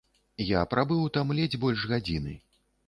Я прабыў там ледзь больш гадзіны.